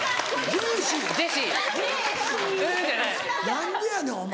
何でやねんお前。